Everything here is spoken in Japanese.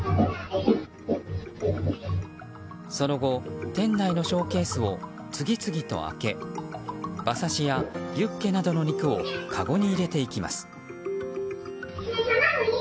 その後、店内のショーケースを次々と開け馬刺しやユッケなどの肉をかごに入れていきます。